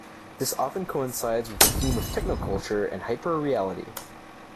This often coincides with the theme of technoculture and hyperreality.